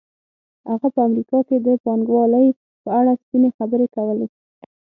هغه په امریکا کې د پانګوالۍ په اړه سپینې خبرې کولې